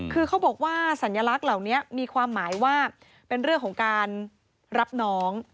คือเขาบอกว่าสัญลักษณ์เหล่านี้มีความหมายว่าเป็นเรื่องของการรับน้อง